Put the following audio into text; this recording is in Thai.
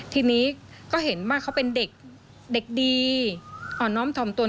ทีนี้ก็เห็นว่าเขาเป็นเด็กดีอ่อนน้อมถ่อมตน